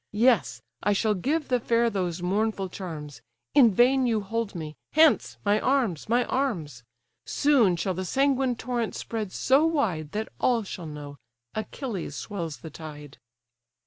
Yes, I shall give the fair those mournful charms— In vain you hold me—Hence! my arms! my arms!— Soon shall the sanguine torrent spread so wide, That all shall know Achilles swells the tide."